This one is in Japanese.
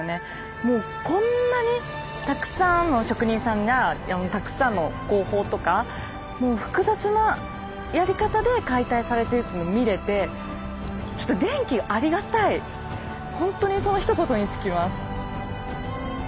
もうこんなにたくさんの職人さんがたくさんの工法とかもう複雑なやり方で解体されてるっていうの見れてちょっと電気がありがたいほんとにそのひと言に尽きます。